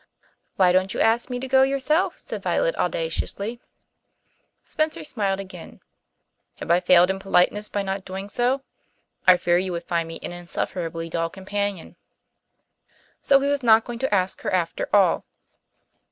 "Why don't you ask me to go yourself?" said Violet audaciously. Spencer smiled again. "Have I failed in politeness by not doing so? I fear you would find me an insufferably dull companion." So he was not going to ask her after all.